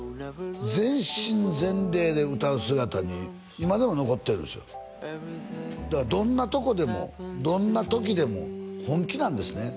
全身全霊で歌う姿に今でも残ってるんですよだからどんなとこでもどんな時でも本気なんですね